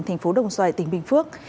thành phố đồng xoài tỉnh bình phước